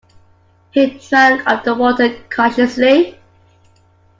He drank of the water cautiously.